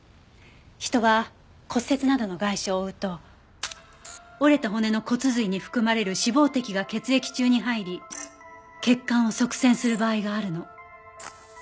人は骨折などの外傷を負うと折れた骨の骨髄に含まれる脂肪滴が血液中に入り血管を塞栓する場合があるの。